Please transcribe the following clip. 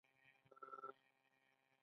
پاچا د خپلو خلکو د ښه کېدو لپاره هېڅ ونه کړل.